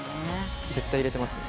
絶対入れてますね。